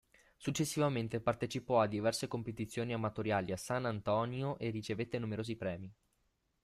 Successivamente partecipò a diverse competizioni amatoriali a San Antonio e ricevette numerosi premi.